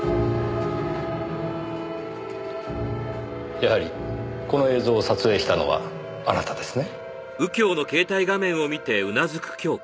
やはりこの映像を撮影したのはあなたですね？